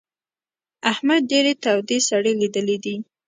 احمد ډېرې تودې سړې ليدلې دي.